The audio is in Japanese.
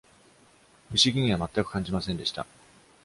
不思議にはまったく感じませんでした。